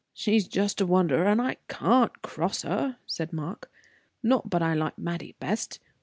"She's just a wonder, and I can't cross her," said Mark. "Not but I like Mattie best.